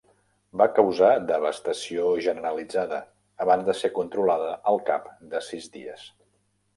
Va causar devastació generalitzada, abans de ser controlada al cap de sis dies.